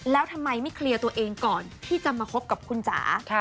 แล้วทำไมไม่เคลียร์ตัวเองก่อนที่จะมาคบกับคุณจ๋า